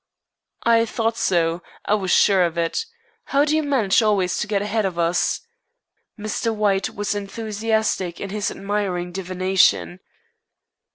"I thought so. I was sure of it. How do you manage always to get ahead of us?" Mr. White was enthusiastic in his admiring divination.